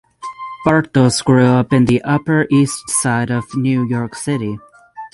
Bartos grew up in the Upper East Side of New York City.